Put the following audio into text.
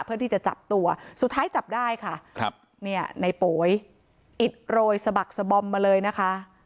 เพื่อที่จะจับตัวสุดท้ายจับได้ค่ะครับเนี่ยในโป๋ยอิดโรยสะบักสะบอมมาเลยนะคะ